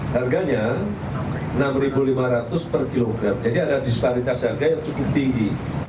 harganya rp enam lima ratus per kilogram jadi ada disparitas harga yang cukup tinggi